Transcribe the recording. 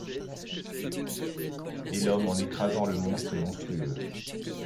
Et l'homme en écrasant le monstre est monstrueux.